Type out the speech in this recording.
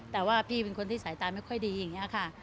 แต่ว่าพี่เป็นคนที่สายตาไม่ค่อยดีอย่างนี้ค่ะ